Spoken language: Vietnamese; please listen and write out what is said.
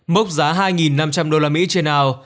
mốc giá hai năm trăm linh usd trên nào